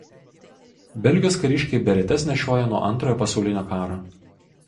Belgijos kariškiai beretes nešioja nuo Antrojo pasaulinio karo.